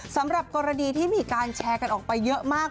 สำหรับกรณีที่มีการแชร์กันออกไปเยอะมาก